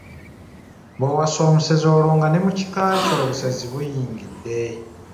Bw'owasa omusezi olwo nga ne mu kika kyo obusezi buyingidde.